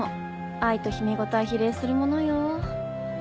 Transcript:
愛と秘め事は比例するものよ。